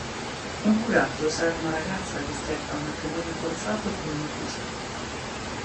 Un curato salva una ragazza costretta a un matrimonio forzato con un ufficiale.